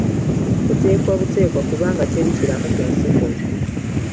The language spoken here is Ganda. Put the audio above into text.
Oteekwa buteekwa kubanga teri kiramu ku nsi kuno